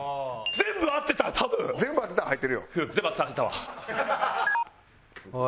全部合ってたら入ってるよ。